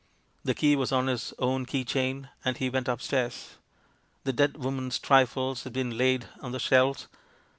The key was on his own key chain, and he went upstairs. The dead woman's trifles had been laid on the shelves.